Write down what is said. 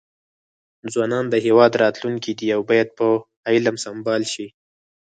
ځوانان د هیواد راتلونکي دي او باید په علم سمبال شي.